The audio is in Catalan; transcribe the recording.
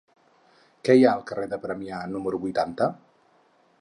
Què hi ha al carrer de Premià número vuitanta?